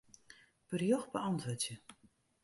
Berjocht beäntwurdzje.